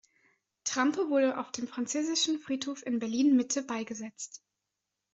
Trampe wurde auf dem Französischen Friedhof in Berlin-Mitte beigesetzt.